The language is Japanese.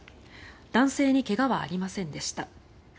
男性に怪我はありませんでした。